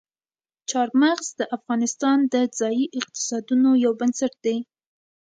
چار مغز د افغانستان د ځایي اقتصادونو یو بنسټ دی.